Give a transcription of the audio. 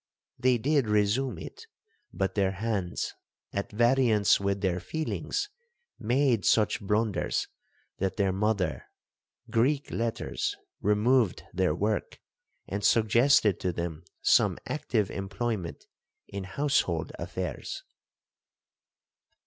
They did resume it, but their hands, at variance with their feelings, made such blunders, that their mother, , removed their work, and suggested to them some active employment in household affairs.